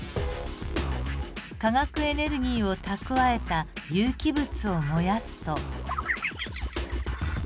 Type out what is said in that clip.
化学エネルギーを蓄えた有機物を燃やすと。